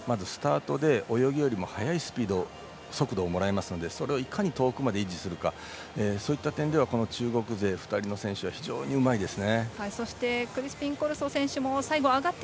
ですので、スタートで泳ぎよりも速いスピード速度をもらいますのでそれをいかに遠くまで維持するか、そういった点では中国勢２人の選手は非常にうまいですね。